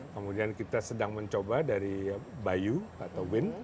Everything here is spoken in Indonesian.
kemudian kita sedang mencoba dari bayu atau win